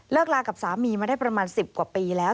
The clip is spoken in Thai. ลากับสามีมาได้ประมาณ๑๐กว่าปีแล้ว